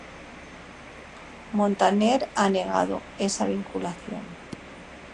Montaner ha negado esa vinculación.